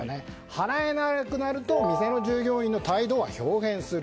払えなくなると店の従業員の態度は豹変する。